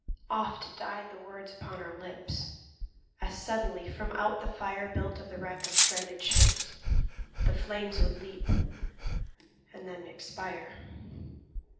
Oft died the words upon our lips, As suddenly, from out the fire Built of the wreck of stranded ships, The flames would leap and then expire.